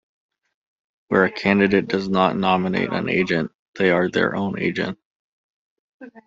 Where a candidate does not nominate an agent, they are their own agent.